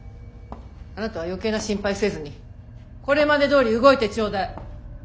あなたは余計な心配せずにこれまでどおり動いてちょうだい。